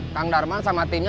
kang darman sama timnya